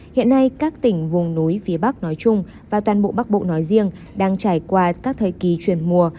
hiện nay các tỉnh vùng núi phía bắc nói chung và toàn bộ bắc bộ nói riêng đang trải qua các thời kỳ chuyển mùa